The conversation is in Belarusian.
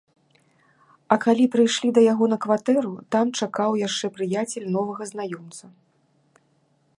А калі прыйшлі да яго на кватэру, там чакаў яшчэ прыяцель новага знаёмца.